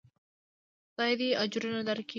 خداى دې اجرونه درکي.